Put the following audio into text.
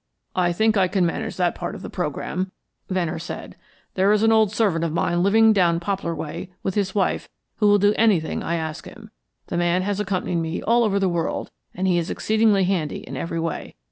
"I think I can manage that part of the programme," Venner said. "There is an old servant of mine living down Poplar way with his wife who will do anything I ask him. The man has accompanied me all over the world, and he is exceedingly handy in every way.